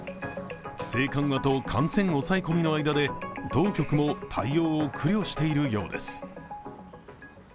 規制緩和と感染抑え込みの間で当局も対応を苦慮しているようです。